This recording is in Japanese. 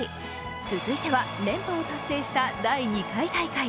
続いては、連覇を達成した第２回大会。